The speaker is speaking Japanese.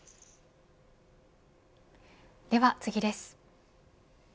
では次です。